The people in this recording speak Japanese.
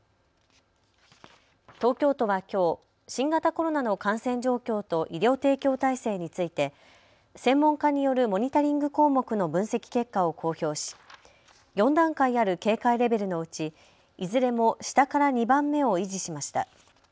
東京都はきょう新型コロナの感染状況と医療提供体制について専門家によるモニタリング項目の分析結果を公表し４段階ある警戒レベルのうちいずれも下から２番目を維持しました。